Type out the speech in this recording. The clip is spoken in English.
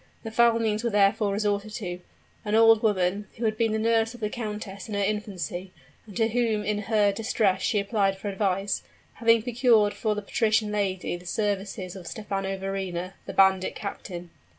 The foul means were therefore resorted to an old woman, who had been the nurse of the countess in her infancy, and to whom in her distress she applied for advice, having procured for the patrician lady the services of Stephano Verrina, the bandit captain.